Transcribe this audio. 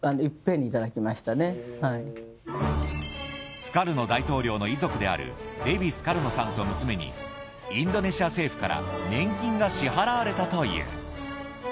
スカルノ大統領の遺族であるデヴィ・スカルノさんと娘にインドネシア政府から年金が支払われたという。